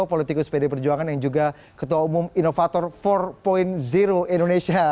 politikus pd perjuangan yang juga ketua umum inovator empat indonesia